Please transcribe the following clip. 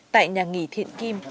tại nhà nghỉ thiện kim